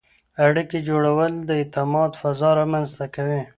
اړیکې جوړول د اعتماد فضا رامنځته کوي.